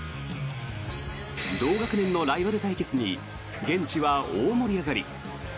同学年のライバル対決に現地は大盛り上がり。